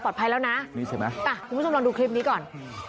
นี่ใช่ไหมต้องลองดูคลิปนี้ก่อน